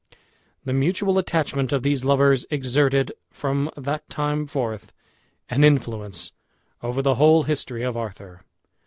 The mutual attachment of these lovers exerted, from that time forth, an influence over the whole history of Arthur.